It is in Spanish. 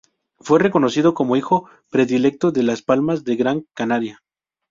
Fue reconocido como hijo predilecto de Las Palmas de Gran Canaria.